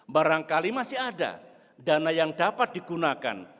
barangkali masih ada dana yang dapat digunakan